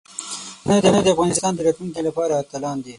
پښتانه د افغانستان د راتلونکي لپاره اتلان دي.